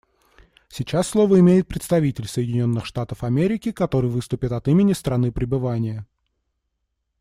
Сейчас слово имеет представитель Соединенных Штатов Америки, который выступит от имени страны пребывания.